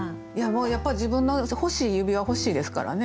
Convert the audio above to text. やっぱり自分の欲しい指輪欲しいですからね。